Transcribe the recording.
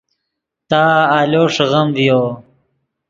تا آلو ݰیغیم ڤیو